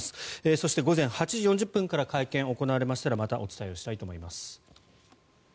そして午前８時４０分から会見行われたらまたお伝えしたいと思います。